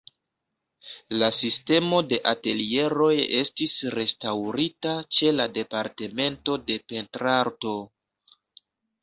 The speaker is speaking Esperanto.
La sistemo de atelieroj estis restaŭrita ĉe la Departemento de Pentrarto.